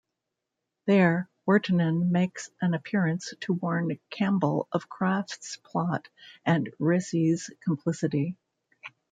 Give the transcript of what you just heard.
There, Wirtanen makes an appearance to warn Campbell of Kraft's plot and Resi's complicity.